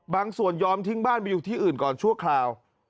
ยอมทิ้งบ้านไปอยู่ที่อื่นก่อนชั่วคราว